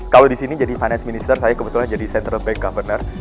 kalau di sini jadi finance minister saya kebetulan jadi central back coverner